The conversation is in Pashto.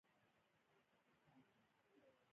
د روم ابتدايي اقتصادي بریالیتوبونه پر بنسټونو ولاړ و